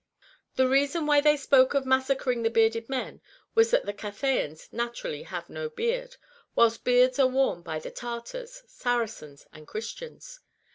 The reason why they spoke of massacring the bearded men was that the Cathayans naturally have no beard, whilst beards are worn by the Tartars, Saracens, and Christians.